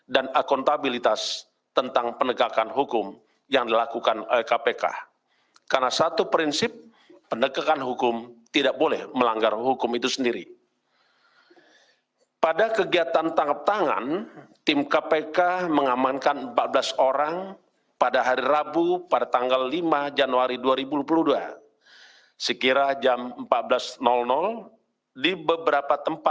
dan akuntabilitas dan juga untuk membuat kembali ke keadaan kita